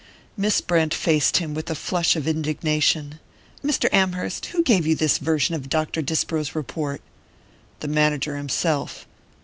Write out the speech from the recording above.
Miss Brent faced him with a flush of indignation. "Mr. Amherst who gave you this version of Dr. Disbrow's report?" "The manager himself."